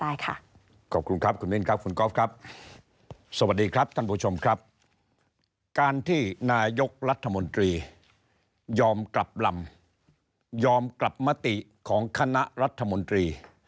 ยอมกลับรำยอมกลับมติของคณะรัฐมนตรี